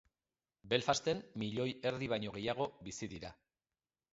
Belfasten, milioi erdi baino gehiago bizi dira.